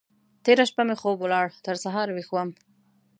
تېره شپه مې خوب ولاړ؛ تر سهار ويښ وم.